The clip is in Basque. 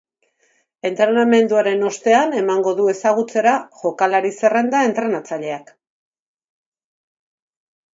Entrenamenduaren ostean emango du ezagutzera jokalari-zerrenda entrenatzaileak.